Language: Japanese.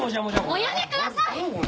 おやめください！